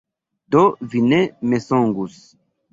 Do, vi ne mensogus.